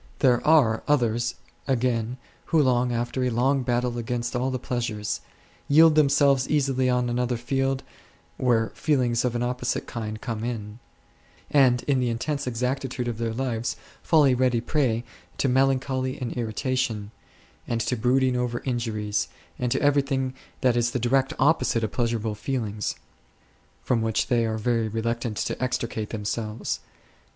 There are others again who after a long battle against all the pleasures8, yield themselves easily on another field, where feelings of an opposite kind come in ; and in the intense exactitude of their lives fall a ready prey to melancholy and irritation, and to brooding over injuries, and to everything that is the direct opposite of pleasurable feelings; from which they are very reluctant to extricate themselves.